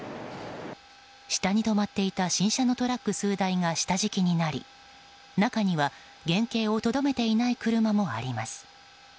下に止まっていた新車のトラック数台が下敷きになり中には、原形をとどめていない車もあります。